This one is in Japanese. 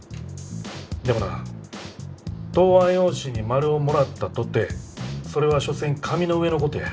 でもな答案用紙に丸をもらったとてそれはしょせん紙の上の事や。